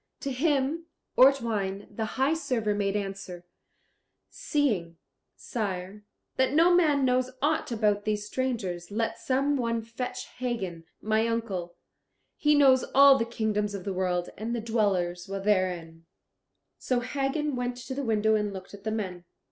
To him Ortwein, the High Server, made answer, "Seeing, sire, that no man knows aught about these strangers, let some one fetch Hagen, my uncle; he knows all the kingdoms of the world, and the dwellers therein." So Hagen went to the window and looked at the men.